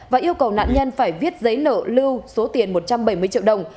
và yêu cầu nạn nhân phải viết giấy nợ lưu số tiền một trăm bảy mươi triệu đồng